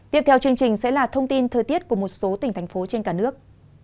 tiếp theo chương trình sẽ là thông tin thời tiết của một số tỉnh thành phố trên cả nước